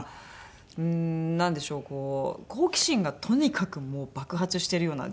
うーんなんでしょうこう好奇心がとにかくもう爆発してるような時期で。